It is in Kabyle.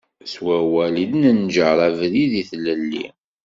S wawal i d-nenjer abrid i tlelli.